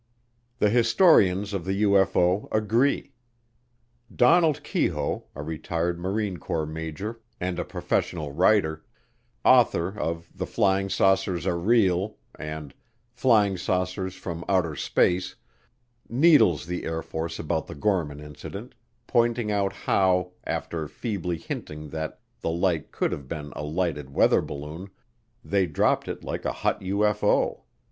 The historians of the UFO agree. Donald Keyhoe, a retired Marine Corps major and a professional writer, author of The Flying Saucers Are Real and Flying Saucers from Outer Space, needles the Air Force about the Gorman Incident, pointing out how, after feebly hinting that the light could have been a lighted weather balloon, they dropped it like a hot UFO.